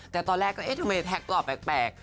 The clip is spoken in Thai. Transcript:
แต่ตอนแรกก็เอ๊ะทำไมแท็กหล่อแปลก